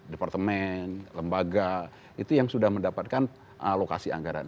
departemen lembaga itu yang sudah mendapatkan alokasi anggaran